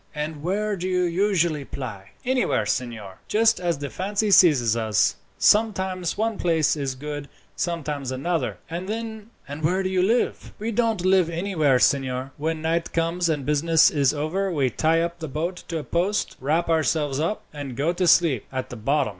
"And where do you usually ply?" "Anywhere, signor, just as the fancy seizes us. Sometimes one place is good, sometimes another." "And where do you live?" "We don't live anywhere, signor. When night comes, and business is over, we tie up the boat to a post, wrap ourselves up, and go to sleep at the bottom.